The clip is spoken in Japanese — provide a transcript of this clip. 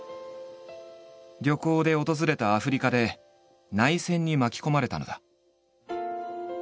旅行で訪れたアフリカで内戦に巻き込まれたのだ。